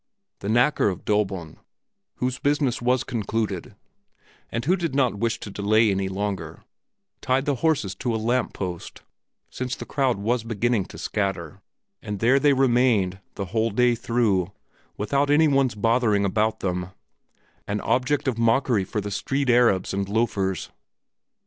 The knacker of Döbeln, whose business was concluded, and who did not wish to delay any longer, tied the horses to a lamppost, since the crowd was beginning to scatter, and there they remained the whole day through without any one's bothering about them, an object of mockery for the street arabs and loafers.